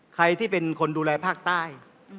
ใครที่เป็นคนดูแลภาคใต้